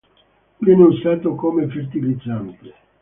Viene usato come fertilizzante.